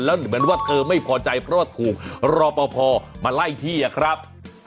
แล้วเหมือนว่าเธอไม่พอใจเพราะว่าถูกรอปภมาไล่ที่อะครับ